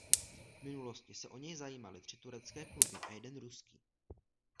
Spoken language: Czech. V minulosti se o něj zajímaly tři turecké kluby a jeden ruský.